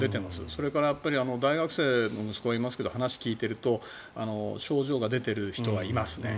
それから大学生の息子がいますが話を聞いていると症状が出ている人はいますね。